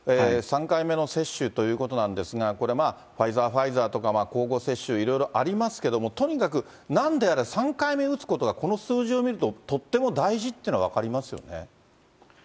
３回目の接種ということなんですが、これまあ、ファイザー、ファイザーとか、交互接種、いろいろありますけれども、とにかくなんであれ、３回目打つことが、この数字を見るととっても大事というのは分かりますよね。